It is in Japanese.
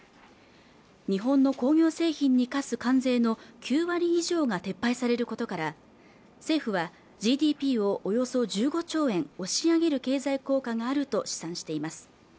日本の工業製品に課す関税の９割以上が撤廃されることから政府はＧＤＰをおよそ１５兆円押し上げる経済効果があると試算しています